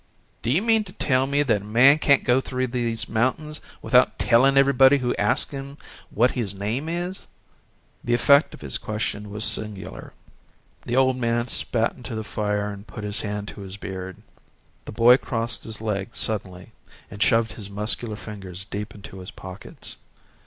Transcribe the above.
"Do you mean to tell me that a man can't go through these mountains without telling everybody who asks him what his name is?" The effect of his question was singular. The old man spat into the fire and put his hand to his beard. The boy crossed his legs suddenly and shoved his muscular fingers deep into his pockets.